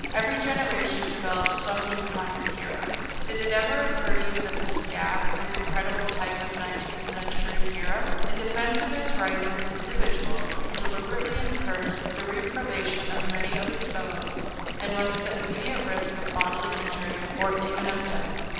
Every generation develops some new kind of hero. Did it ever occur to you that the "scab" is a creditable type of nineteenth century hero? In defense of his rights as an individual, he deliberately incurs the reprobation of many of his fellows, and runs the immediate risk of bodily injury, or even of death.